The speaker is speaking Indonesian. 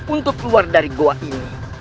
untuk keluar dari goa ini